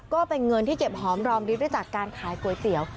ก็เป็นเงินที่เก็บหอมรอมริบได้จากการขายก๋วยเตี๋ยว